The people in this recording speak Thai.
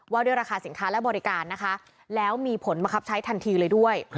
ว่าด้วยราคาสินค้าและบริการนะคะแล้วมีผลบังคับใช้ทันทีเลยด้วย